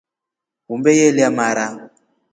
Humbe yelya mara.